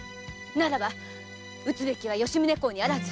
ならば討つべきは吉宗公にあらず。